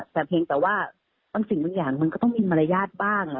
แต่เพียงแต่ว่าบางสิ่งบางอย่างมันก็ต้องมีมารยาทบ้าง